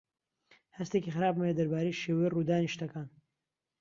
هەستێکی خراپم هەیە دەربارەی شێوەی ڕوودانی شتەکان.